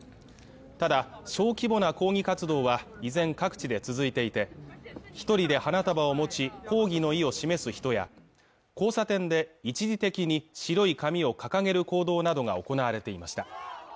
ただ小規模な抗議活動は依然各地で続いていて一人で花束を持ち抗議の意を示す人や交差点で一時的に白い紙を掲げる行動などが行われていました